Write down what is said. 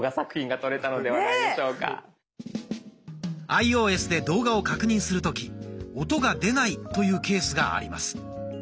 アイオーエスで動画を確認する時音が出ないというケースがあります。